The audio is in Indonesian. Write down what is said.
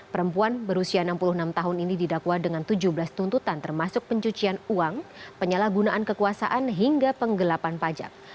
perempuan berusia enam puluh enam tahun ini didakwa dengan tujuh belas tuntutan termasuk pencucian uang penyalahgunaan kekuasaan hingga penggelapan pajak